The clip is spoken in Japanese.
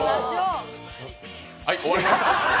はい、終わりました。